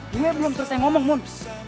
gue belum terserah ngomong mun